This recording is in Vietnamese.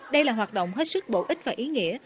đây là hoạt động hết sức bổ ích và ý nghĩa